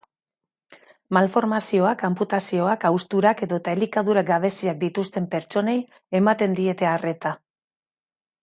Malformazioak, anputazioak, hausturak edota elikadura gabeziak dituzten pertsonei ematen diete arreta.